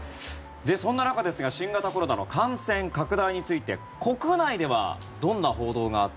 そんな中ですが新型コロナの感染拡大について国内ではどんな報道があって